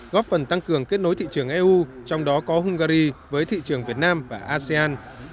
góp phần tăng cường kết nối thị trường eu trong đó có hungary với thị trường việt nam và asean